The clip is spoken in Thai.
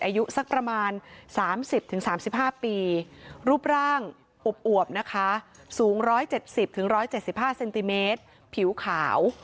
อายุสักประมาณ๓๐๓๕ปีรูปร่างอวบนะคะสูง๑๗๐๑๗๕เซนติเมตรผิวขาว